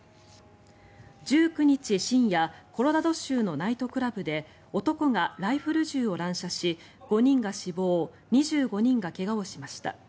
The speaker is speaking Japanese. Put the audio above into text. １９日深夜コロラド州のナイトクラブで男がライフル銃を乱射し５人が死亡２５人が怪我をしました。